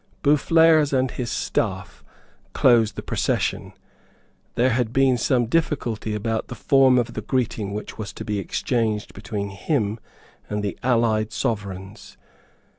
Boufflers and his staff closed the procession. There had been some difficulty about the form of the greeting which was to be exchanged between him and the allied Sovereigns.